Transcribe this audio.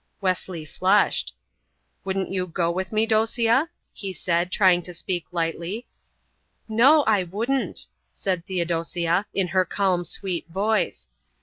Wesley flushed. "Wouldn't you go with me, Dosia?" he said, trying to speak lightly. "No, I wouldn't," said Theodosia, in her calm, sweet voice.